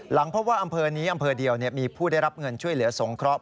พบว่าอำเภอนี้อำเภอเดียวมีผู้ได้รับเงินช่วยเหลือสงเคราะห